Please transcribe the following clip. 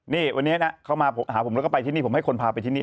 นี่วันนี้นะเข้ามาหาผมแล้วก็ไปที่นี่ผมให้คนพาไปที่นี่